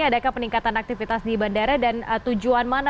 adakah peningkatan aktivitas di bandara dan tujuan mana